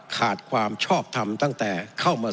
ขาดความชอบทำตั้งแต่เข้ามา